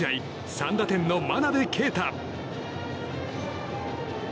３打点の真鍋慧。